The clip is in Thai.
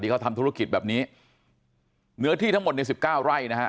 เขาทำธุรกิจแบบนี้เนื้อที่ทั้งหมดในสิบเก้าไร่นะฮะ